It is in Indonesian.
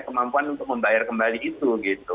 kemampuan untuk membayar kembali itu gitu